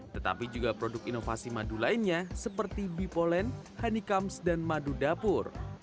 tetapi juga produk inovasi madu lainnya seperti bipolen honeycomes dan madu dapur